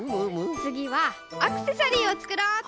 つぎはアクセサリーをつくろうっと！